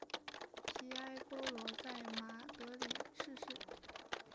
提埃坡罗在马德里逝世。